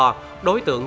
đối tượng tên chị hường